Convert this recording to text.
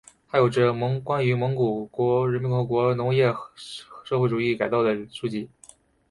他着有有关蒙古人民共和国农业社会主义改造的书籍。